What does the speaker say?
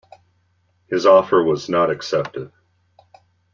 His offer was not accepted.